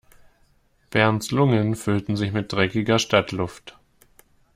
Bernds Lungen füllten sich mit dreckiger Stadtluft.